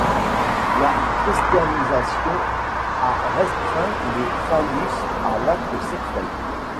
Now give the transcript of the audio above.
La christianisation a restreint le phallus à l’acte sexuel.